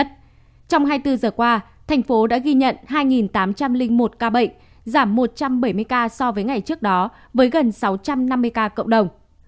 trong hai mươi bốn giờ qua thành phố đã ghi nhận hai tám trăm linh một ca bệnh giảm một trăm bảy mươi ca so với ngày trước đó với gần sáu trăm năm mươi ca cộng đồng